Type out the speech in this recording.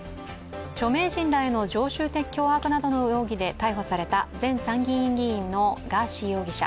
著名人らへの常習的脅迫などの容疑で逮捕された前参議院議員のガーシー容疑者。